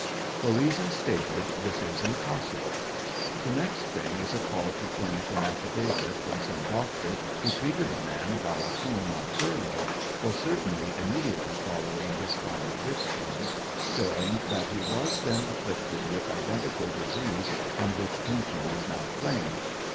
For reasons stated, this is im possible. The next thing is a call to furnish an aflfldavit from some doctor who treated the man while at home on furlough, or certainly immediately following his final discharge, showing that he was then afflicted with identical disease on which pension is now claimed.